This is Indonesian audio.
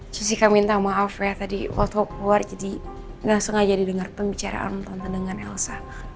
jessica minta maaf ya tadi waktu keluar jadi nggak sengaja didengar pembicaraan tonton dengan elsa